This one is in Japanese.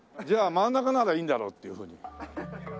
じゃあ真ん中ならいいんだろうっていうふうに。